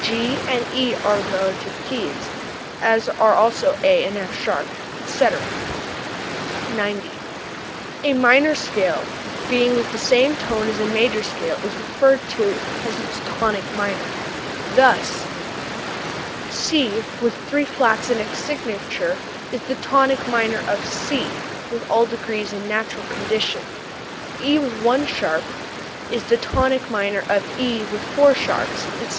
G and e are relative keys, as are also A and f[sharp], etc. 90. A minor scale beginning with the same tone as a major scale is referred to as its tonic minor. Thus, e.g., c with three flats in its signature is the tonic minor of C with all degrees in natural condition; e with one sharp is the tonic minor of E with four sharps, etc.